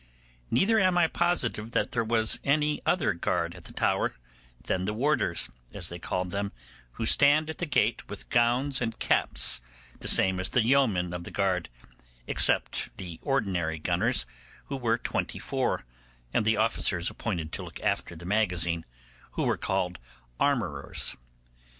Neither am I positive that there was any other guard at the Tower than the warders, as they called them, who stand at the gate with gowns and caps, the same as the yeomen of the guard, except the ordinary gunners, who were twenty four, and the officers appointed to look after the magazine, who were called armourers.